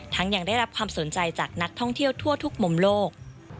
ยังได้รับความสนใจจากนักท่องเที่ยวทั่วทุกมุมโลก